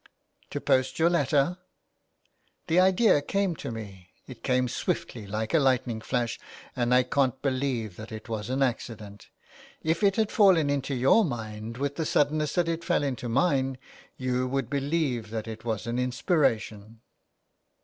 " To post your letter ?" ''The idea came to me — it came swiftly like a lightning flash, and I can't believe that it was an accident. If it had fallen into your mind with the suddenness that it fell into mine, you would believe that it was an inspiration."